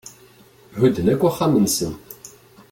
Hudden akk axxam-nsen.